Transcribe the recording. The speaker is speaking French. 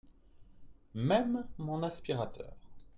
Même mon aspirateur.